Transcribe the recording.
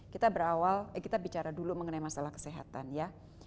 kita bicara dulu mengenai masalah kesehatan ya